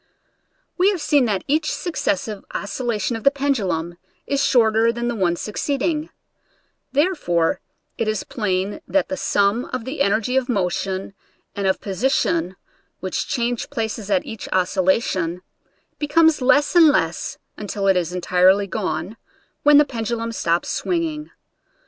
We have seen that each successive oscil lation of the pendulum is shorter than the one succeeding; therefore it is plain that the sum of the energy of motion and of position which change places at each oscillation, be comes less and less, until it is entirely gone, when the pendulum stops swinging.